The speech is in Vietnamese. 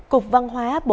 cục văn hóa bộ